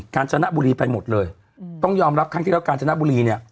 การชนะบุรีไปหมดเลยต้องยอมรับครั้งที่แล้วกาญจนบุรีเนี่ย